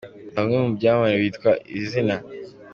Bamwe mu byamamare bitwa izi zina.